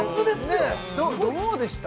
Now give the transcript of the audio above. ねっどうでした？